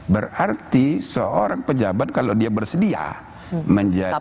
berarti seorang pejabat kalau dia bersedia menjadi